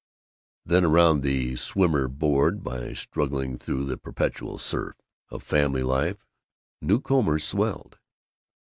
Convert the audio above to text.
Then round the swimmer, bored by struggling through the perpetual surf of family life, new combers swelled.